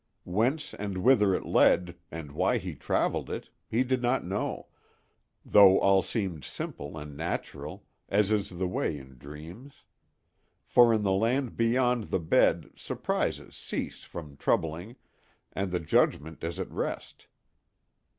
Whence and whither it led, and why he traveled it, he did not know, though all seemed simple and natural, as is the way in dreams; for in the Land Beyond the Bed surprises cease from troubling and the judgment is at rest.